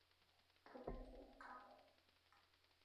도와줄까?